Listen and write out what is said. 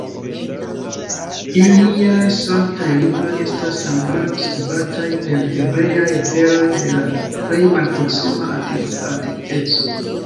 Iliaj sanktaj libroj estas ankoraŭ skribataj per hebreaj literoj de la plej malproksima antikveco.